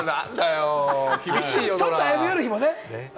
ちょっと歩み寄る日もね。